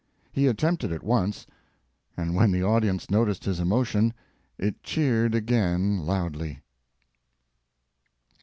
He attempted it once, and when the audience noticed his emotion, it cheered again loudly.